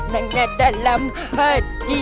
nenek dalam hati